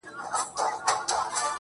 خو هغه ليونۍ وايي~